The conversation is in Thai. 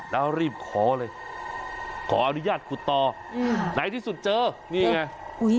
แล้วรีบขอเลยขออนุญาตขุดต่ออืมไหนที่สุดเจอนี่ไง